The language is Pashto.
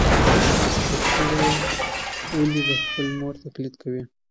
چرګوړي ولې د خپلې مور تقلید کوي؟